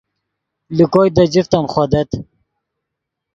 لے کوئے دے جفت ام خودت